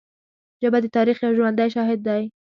ژبه د تاریخ یو ژوندی شاهد دی